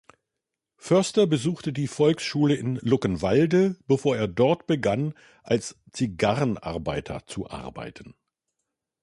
Förster besuchte die Volksschule in Luckenwalde, bevor er dort begann als Zigarrenarbeiter zu arbeiten.